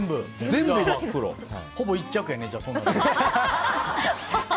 ほぼ１着やね、そうなると。